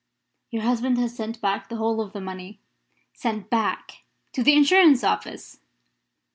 "Your husband has sent back the whole of the money." "Sent back? To the Insurance Office?"